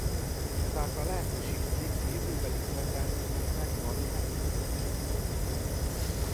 Ezáltal lehetőség nyílik a jövőbeli követelményeknek való megfelelésre.